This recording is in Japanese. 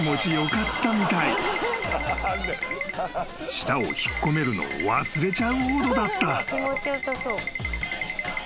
［舌を引っ込めるのを忘れちゃうほどだった］